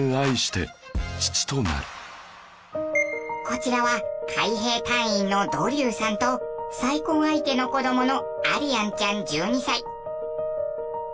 こちらは海兵隊員のドリューさんと再婚相手の子どものアリアンちゃん１２歳。